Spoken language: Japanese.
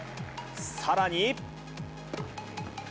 さらに。